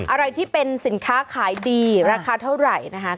อะไรที่เป็นสินค้าขายดีราคาเท่าไหร่นะคะ